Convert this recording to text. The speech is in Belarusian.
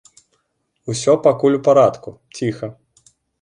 Усё пакуль у парадку, ціха.